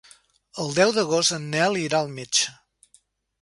El deu d'agost en Nel irà al metge.